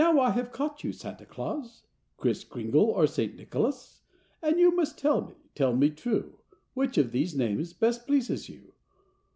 I have caught you Santa Claus, Kriss Kringle or St. Nicholas, And you must tell me, tell me true. Which of these names best pleases you'?